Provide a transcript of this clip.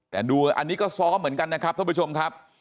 แต่ดูอันนี้ก็ซ้อมเหมือนกันนะครับท่านผู้ชมครับ